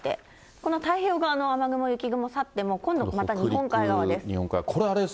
この太平洋側の雨雲、雪雲去っても、今度また、日本海側です。